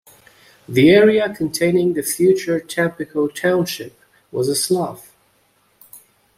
The area containing the future Tampico township was a slough.